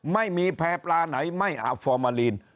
ไม่มีแพร่ปลาไหนไม่อาบฟอร์มาลีน